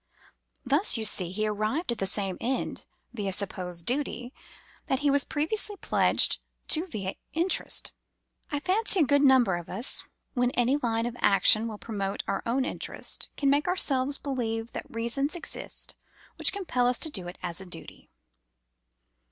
Thus, you see, he arrived at the same end, via supposed duty, that he was previously pledged to via interest. I fancy a good number of us, when any line of action will promote our own interest, can make ourselves believe that reasons exist which compel us to it as a duty.